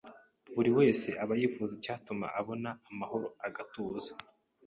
buri wese aba yifuza icyatuma abona amahoro agatuza